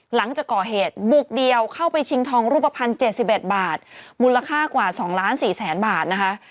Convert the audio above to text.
หลังจากก่อเหตุบุกเดียวเข้าไปชิงทองรูปภัณฑ์๗๑บาทมูลค่ากว่า๒ล้าน๔แสนบาทนะคะ